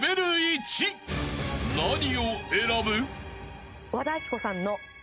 ［何を選ぶ？］